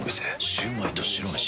シュウマイと白めし。